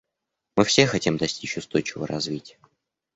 Мы все хотим достичь устойчивого развития.